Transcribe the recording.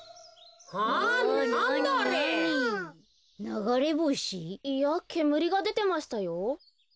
ながれぼし？いやけむりがでてましたよ。